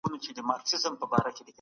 پرون مي يو ملګری وليد چي کتاب يې اخيسته.